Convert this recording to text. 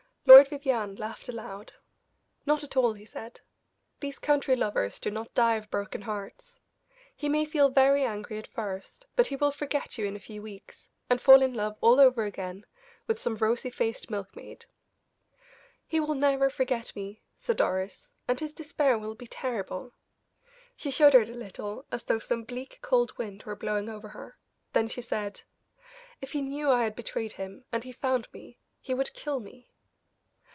Lord Vivianne laughed aloud. "Not at all," he said. "These country lovers do not die of broken hearts; he may feel very angry at first, but he will forget you in a few weeks, and fall in love, all over again, with some rosy faced milkmaid." "He will never forget me," said Doris; "and his despair will be terrible." She shuddered a little as though some bleak, cold wind were blowing over her, then she said: "If he knew I had betrayed him, and he found me, he would kill me."